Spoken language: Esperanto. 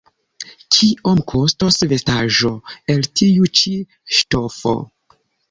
Kiom kostos vestaĵo el tiu ĉi ŝtofo?